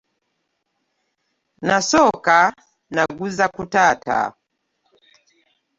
Nasooka nagaza ku taata.